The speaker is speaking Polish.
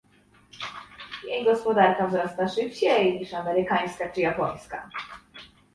Jej gospodarka wzrasta szybciej niż amerykańska czy japońska